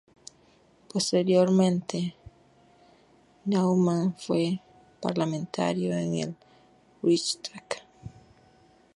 Posteriormente, Naumann fue parlamentario en el "Reichstag".